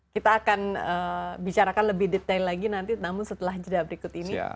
kita akan bicarakan lebih detail lagi nanti namun setelah jeda berikut ini